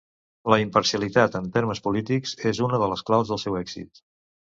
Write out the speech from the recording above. La imparcialitat en temes polítics, és una de les claus del seu èxit.